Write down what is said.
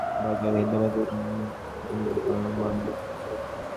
পরে তাঁরা বিদ্যালয়ের পাশের বাজারে হিন্দুদের দোকান ভাঙচুর করে মালামাল লুট করেন।